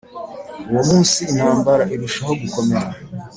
Uwo munsi intambara irushaho gukomera